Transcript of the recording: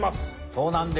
そうなんです。